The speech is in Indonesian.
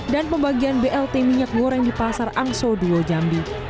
dan pembagian blt minyak goreng di pasar angso duo jambi